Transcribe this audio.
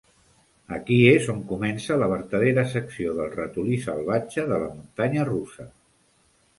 Aquí es on comença la vertadera secció del ratolí salvatge de la muntanya russa.